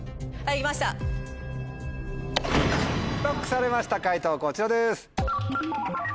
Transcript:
ＬＯＣＫされました解答こちらです。